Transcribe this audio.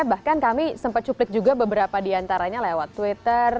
bahkan kami sempat cuplik juga beberapa diantaranya lewat twitter